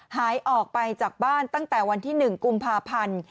หายออกไปจากบ้านตั้งแต่วันที่๑กุมภาพันธ์